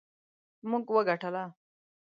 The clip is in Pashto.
موږ وګټله